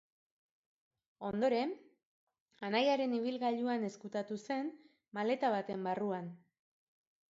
Ondoren, anaiaren ibilgailuan ezkutatu zen, maleta baten barruan.